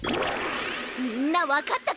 みんなわかったか？